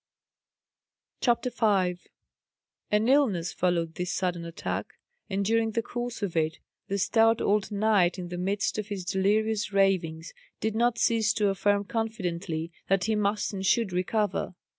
CHAPTER 5 An illness followed this sudden attack; and during the course of it the stout old knight, in the midst of his delirious ravings, did not cease to affirm confidently that he must and should recover.